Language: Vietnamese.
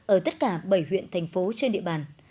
ở tất cả bảy huyện thành phố trên địa bàn